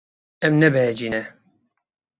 Em nebehecî ne.